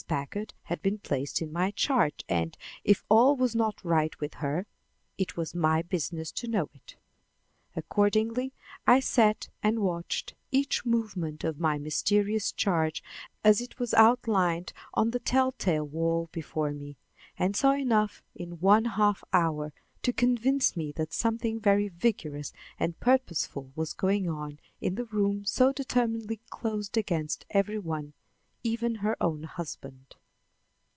Packard had been placed in my charge and, if all was not right with her, it was my business to know it. Accordingly I sat and watched each movement of my mysterious charge as it was outlined on the telltale wall before me, and saw enough in one half hour to convince me that something very vigorous and purposeful was going on in the room so determinedly closed against every one, even her own husband.